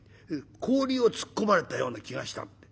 氷を突っ込まれたような気がしたって。